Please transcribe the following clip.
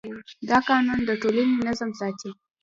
دا قانون د ټولنې نظم ساتي.